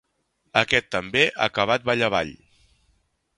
Aquest també ha acabat vall avall.